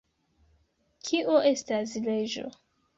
Kio estas leĝo?